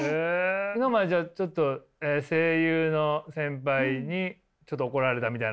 今までちょっと声優の先輩にちょっと怒られたみたいな。